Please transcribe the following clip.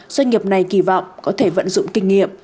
doanh nghiệp này kỳ vọng có thể vận dụng kinh nghiệm